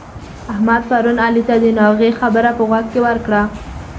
احمد پرون علي ته د ناغې خبره په غوږ کې ورکړه.